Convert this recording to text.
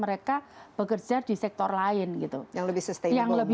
mereka bekerja di sektor lain gitu yang lebih sustainable